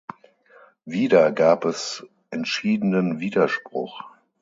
Wieder gab es entschiedenen Widerspruch.